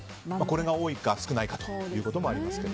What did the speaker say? これが多いか少ないかということもありますが。